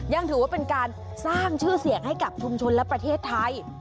ยังถือว่าเป็นการสร้างชื่อเสียงให้กับชุมชนและประเทศไทย